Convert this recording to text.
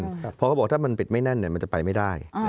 เพราะเขาบอกถ้ามันปิดไม่แน่นมันจะไปไม่ได้